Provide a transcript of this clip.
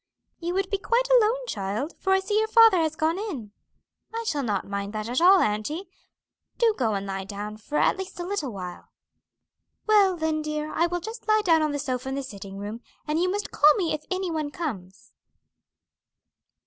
"You would be quite alone, child, for I see your father has gone in." "I shall not mind that at all, auntie. Do go and lie down for at least a little while." "Well, then, dear, I will just lie down on the sofa in the sitting room, and you must call me if any one comes."